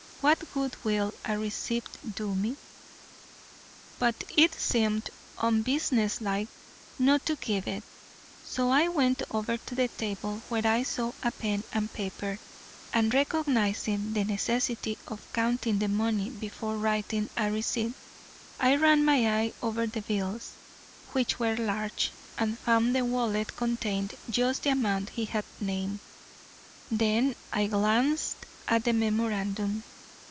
What good will a receipt do me?' But it seemed unbusinesslike not to give it, so I went over to the table, where I saw a pen and paper, and recognising the necessity of counting the money before writing a receipt, I ran my eye over the bills, which were large, and found the wallet contained just the amount he had named. Then I glanced at the memorandum.